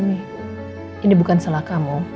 ini bukan salah kamu